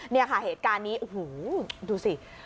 นี่ค่ะเหตุการณ์นี้โอ้โหดูสิ